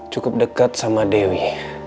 cukup dekat sama dewi